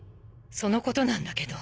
そのことなんだけど。